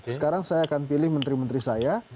sekarang saya akan pilih menteri menteri saya